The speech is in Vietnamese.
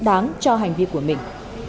đáng cho hành vi của mình